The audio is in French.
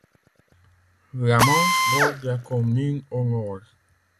La Manche borde la commune au nord.